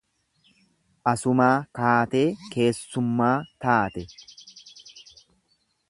Asumaa kaatee keessummaa taate.